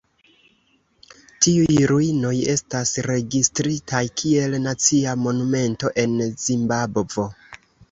Tiuj ruinoj estas registritaj kiel nacia monumento en Zimbabvo.